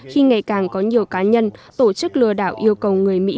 khi ngày càng có nhiều cá nhân tổ chức lừa đảo yêu cầu người mỹ